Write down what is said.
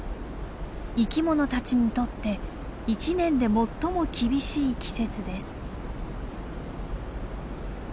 生き物たちにとって一年で最も厳しい季節です。